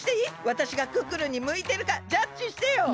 わたしがクックルンにむいてるかジャッジしてよ！